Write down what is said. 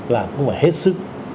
là cũng phải hết sức